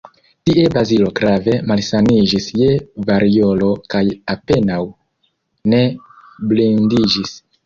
Tie Bazilo grave malsaniĝis je variolo kaj apenaŭ ne blindiĝis.